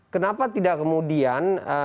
kenapa tidak kemudian